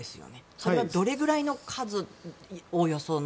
それはどれぐらいの数おおよその。